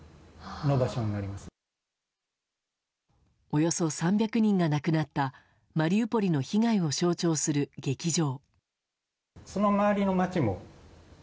およそ３００人が亡くなったマリウポリの被害を象徴する劇場。